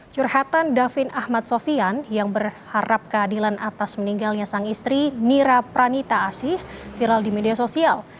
curhatan davin ahmad sofian yang berharap keadilan atas meninggalnya sang istri nira pranita asih viral di media sosial